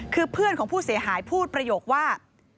คือเพื่อนของผู้เสียหายพูดประโยคว่า